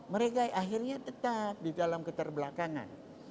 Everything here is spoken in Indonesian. mereka akhirnya tetap di dalam keterbelakangan